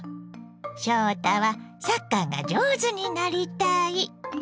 翔太はサッカーが上手になりたい。